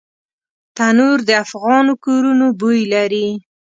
تنور د افغانو کورونو بوی لري